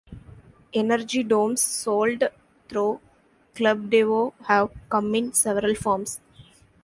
Energy Domes sold through Club Devo have come in several forms.